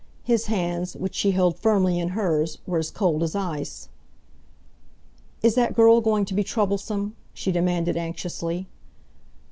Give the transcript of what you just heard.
His hands, which she held firmly in hers, were as cold as ice. "Is that girl going to be troublesome?" she demanded anxiously.